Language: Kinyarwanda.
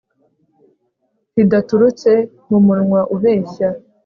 ridaturutse mu munwa ubeshya